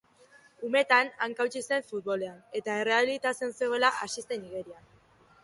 Umetan, hanka hautsi zuen futbolean, eta errehabilitazioan zegoela hasi zen igerian.